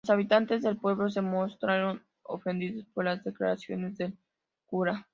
Los habitantes del pueblo se mostraron ofendidos por las declaraciones del cura.